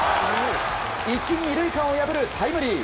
１、２塁間を破るタイムリー。